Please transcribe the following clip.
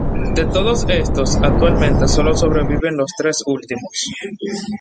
De todos estos actualmente sólo sobreviven los tres últimos.